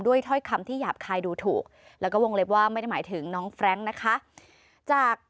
ถ้อยคำที่หยาบคายดูถูกแล้วก็วงเล็บว่าไม่ได้หมายถึงน้องแฟรงค์นะคะจาก